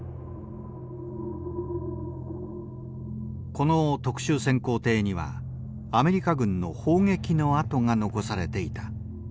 この特殊潜航艇にはアメリカ軍の砲撃の跡が残されていた。